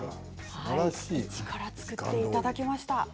一から作っていただきました。